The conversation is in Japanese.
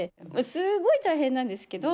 すごい大変なんですけど。